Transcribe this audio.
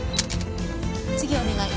次お願い。